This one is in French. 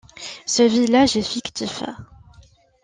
Ce village est fictif.